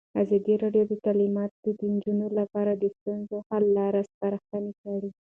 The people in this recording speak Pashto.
ازادي راډیو د تعلیمات د نجونو لپاره د ستونزو حل لارې سپارښتنې کړي.